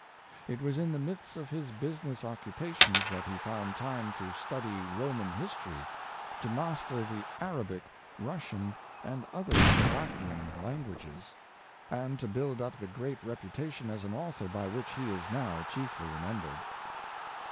It was in the midst of his business occupations that he found time to study Roman hisjtory, to master the Arabic, Russian, and other Scla vonic languages, and to build up the great reputation as an author by which he is now chiefly remembered.